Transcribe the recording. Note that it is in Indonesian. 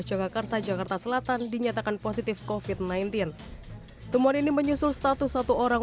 jagakarsa jakarta selatan dinyatakan positif kofit sembilan belas temuan ini menyusul status satu orang